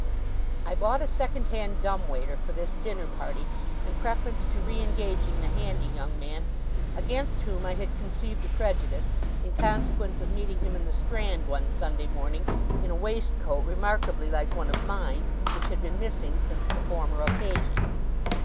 I bought a second hand dumb waiter for this dinner party, in preference to re engaging the handy young man; against whom I had conceived a prejudice, in consequence of meeting him in the Strand, one Sunday morning, in a waistcoat remarkably like one of mine, which had been missing since the former occasion.